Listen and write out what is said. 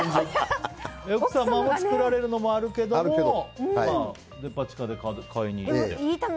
奥様が作られるものもあるけどデパ地下へ買いに。